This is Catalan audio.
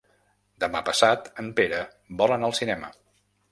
Demà passat en Pere vol anar al cinema.